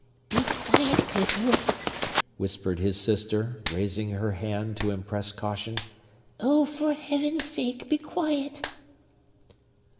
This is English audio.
"Be quiet, Clifford!" whispered his sister, raising her hand to impress caution. "Oh, for Heaven's sake, be quiet!"